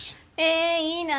えいいな。